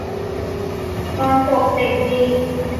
ตอนจบเจ๋งดี